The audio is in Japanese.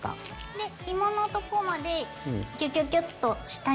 でひものとこまでギュギュギュッと下に。